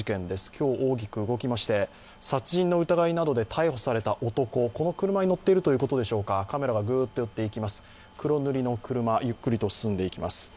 今日大きく動きまして殺人の疑いなどで逮捕された男、この車に乗っているということでしょうか、カメラがグーッと寄っていきます、黒塗りの車、ゆっくりと進んでいきます。